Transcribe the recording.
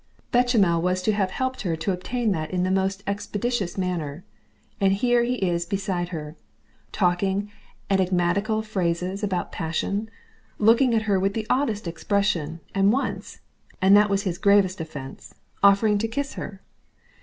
Bechaniel was to have helped her to attain that in the most expeditious manner, and here he is beside her, talking enigmatical phrases about passion, looking at her with the oddest expression, and once, and that was his gravest offence, offering to kiss her.